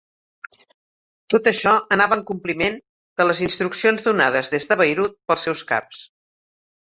Tot això anava en compliment de les instruccions donades des de Beirut pels seus caps.